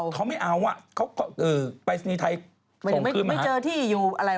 เขาไม่เอาอ่ะเขาปรายศนีย์ไทยส่งไม่คืนไม่เจอที่อยู่อะไร